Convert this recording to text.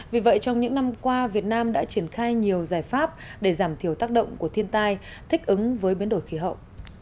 vì vậy trong những năm qua việt nam đã triển khai nhiều giải pháp để giảm thiểu tác động của thiên tai thích ứng với biến đổi khí hậu